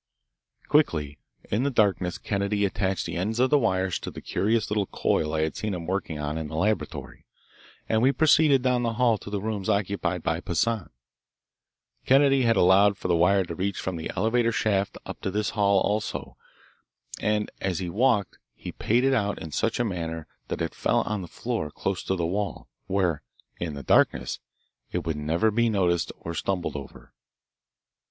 Quickly in the darkness Kennedy attached the ends of the wires to the curious little coil I had seen him working on in the laboratory, and we proceeded down the hall to the rooms occupied by Poissan, Kennedy had allowed for the wire to reach from the elevator shaft up this hall, also, and as he walked he paid it out in such a manner that it fell on the floor close to the wall, where, in the darkness, it would never be noticed or stumbled over.